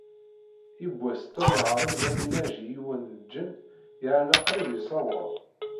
Yiwwas Tom yeεreḍ ad d-inaji yiwen n lǧenn yerna qrib yessaweḍ.